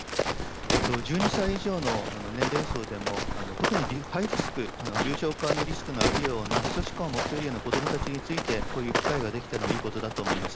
１２歳以上の年齢層でも、特にハイリスク、重症化のリスクのあるような、基礎疾患を持ってるような子どもたちについて、こういう機会が出来たのはいいことだと思います。